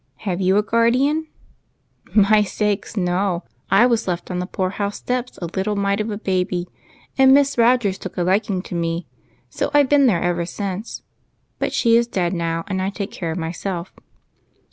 Have you a guardian ?"" My sakes, no ! I was left on the poor house steps a little mite of a baby, and Miss Rogers took a liking to me, so I 've been there ever since. But she is dead now, and I take care of myself."